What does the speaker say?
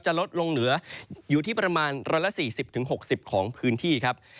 ลดลงเหลืออยู่ที่ประมาณ๑๔๐๖๐ของพื้นที่ครับ